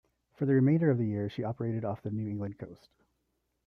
For the remainder of the year, she operated off the New England coast.